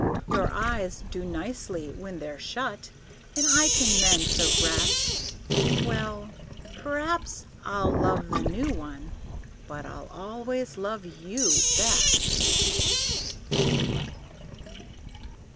Your eyes do nicely when they're shut, And I can mend the rest; Well p'raps I'll love the new one but I'll always love you best.